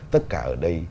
tất cả ở đây